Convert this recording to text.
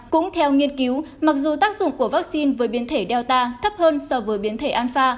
cũng theo nghiên cứu mặc dù tác dụng của vaccine với biến thể data thấp hơn so với biến thể anfa